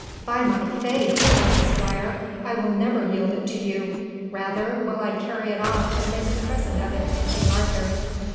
"By my faith!" cried the squire, "I will never yield it to you! Rather, will I carry it off and make a present of it to King Arthur."